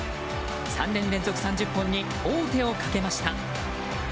３年連続３０本に王手をかけました。